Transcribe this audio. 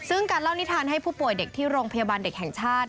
ซึ่งการเล่านิทานให้ผู้ป่วยเด็กที่โรงพยาบาลเด็กแห่งชาติ